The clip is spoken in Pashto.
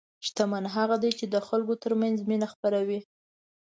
شتمن هغه دی چې د خلکو ترمنځ مینه خپروي.